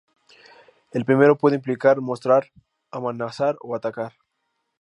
El primero puede implicar mostrar, amenazar o atacar.